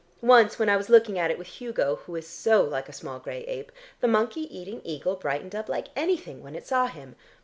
Once when I was looking at it with Hugo who is so like a small grey ape, the monkey eating eagle brightened up like anything when it saw him.